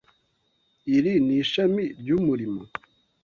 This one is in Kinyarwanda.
Iri ni Ishami ry'umurimo?